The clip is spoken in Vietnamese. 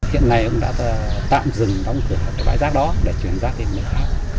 hiện nay cũng đã tạm dừng đóng cửa bãi rác đó để truyền rác đến nước khác